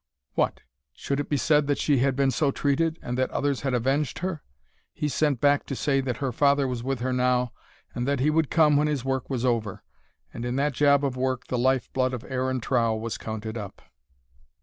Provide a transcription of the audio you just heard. What! should it be said that she had been so treated, and that others had avenged her? He sent back to say that her father was with her now, and that he would come when his work was over. And in that job of work the life blood of Aaron Trow was counted up.